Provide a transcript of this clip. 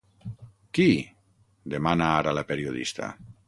Qui? —demana ara la periodista.